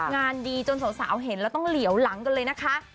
งานดีจนสาวเห็นแล้วต้องเหลียวหลังกันเลยนะคะ